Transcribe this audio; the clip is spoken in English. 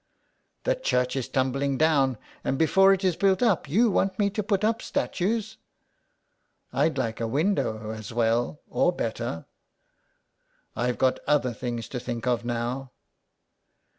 "The church is tumbling down, and before it is built up you want me to put up statues." " I'd like a window as well or better." " I've got other things to think of now."